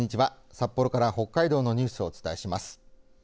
札幌から北海道のニュースをお伝えします。